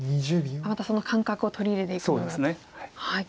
またその感覚を取り入れていくようなと。